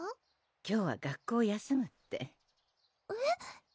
今日は学校を休むってえっ？